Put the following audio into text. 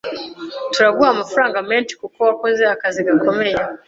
Turaguha amafaranga menshi kuko wakoze akazi gakomeye.